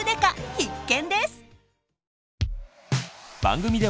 必見です！